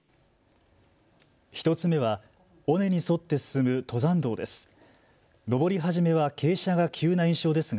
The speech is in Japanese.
１つ目は尾根に沿って進む登山道です。